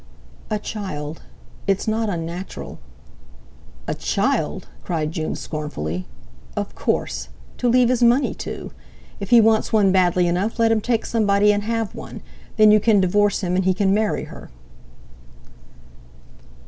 "A child. It's not unnatural" "A child!" cried June scornfully. "Of course! To leave his money to. If he wants one badly enough let him take somebody and have one; then you can divorce him, and he can marry her."